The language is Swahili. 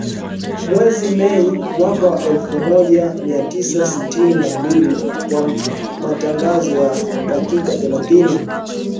Mwezi Mei mwaka elfu moja mia tisa sitini na mbili kwa matangazo ya dakika thelathini